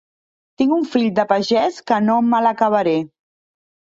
Tinc un fill de pagès que no me l'acabaré.